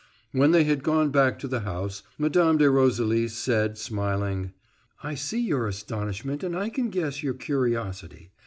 When they had gone back to the house Mme. de Roselis said, smiling: "I see your astonishment, and I can guess your curiosity.